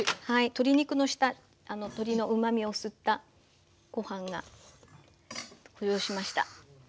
鶏肉の下鶏のうまみを吸ったご飯が浮上しました。